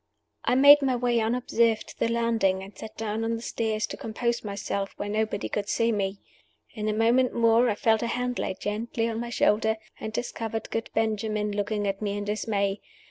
I made my way unobserved to the landing, and sat down on the stairs to compose myself where nobody could see me. In a moment more I felt a hand laid gently on my shoulder, and discovered good Benjamin looking at me in dismay.